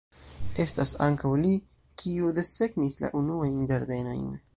Estas ankaŭ li, kiu desegnis la unuajn ĝardenojn.